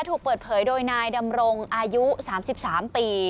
ถูกเปิดเผยโดยนายดำรงค์อายุสามสิบสามปี